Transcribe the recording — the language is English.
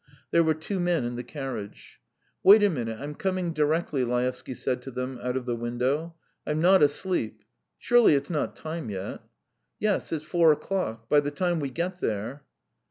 There were two men in the carriage. "Wait a minute; I'm coming directly," Laevsky said to them out of the window. "I'm not asleep. Surely it's not time yet?" "Yes, it's four o'clock. By the time we get there